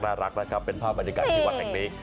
น่ารักอะครับเป็นภาพบรรยาการที่วัฒน์แห่งนั้น